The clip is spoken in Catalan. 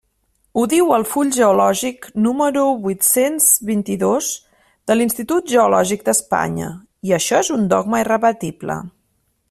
Ho diu el full geològic número huit-cents vint-i-dos de l'Institut Geològic d'Espanya, i això és un dogma irrebatible.